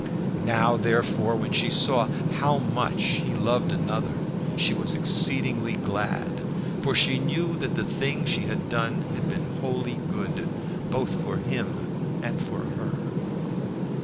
Now, therefore, when she saw how much he loved another, she was exceedingly glad, for she knew that the thing she had done had been wholly good, both for him and for her.